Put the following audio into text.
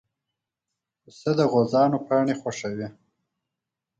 پسه د غوزانو پاڼې خوښوي.